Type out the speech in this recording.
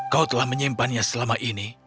kau telah menyimpannya selama ini